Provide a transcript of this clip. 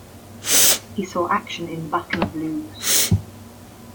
He saw action in the Battle of Loos.